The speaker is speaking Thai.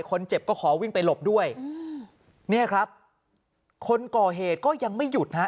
คนเจ็บก็ขอวิ่งไปหลบด้วยอืมเนี่ยครับคนก่อเหตุก็ยังไม่หยุดฮะ